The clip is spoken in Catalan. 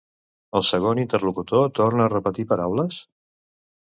El segon interlocutor torna a repetir paraules?